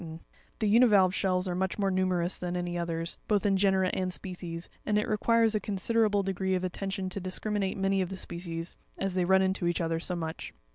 93 The univalve shells are much more numerous than any others, both in genera and species; and it requires a considerable de gree of attention to discriminate many of the species, as they run into each other so much.